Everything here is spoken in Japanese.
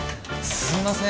すみません。